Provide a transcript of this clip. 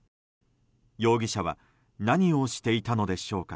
容疑者は何をしていたのでしょうか。